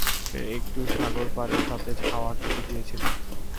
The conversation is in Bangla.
একটু সাগর পাড়ের সতেজ হাওয়া খেতে গিয়েছিলাম।